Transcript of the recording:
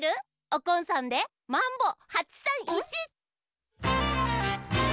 おこんさんで「マンボ８３１」！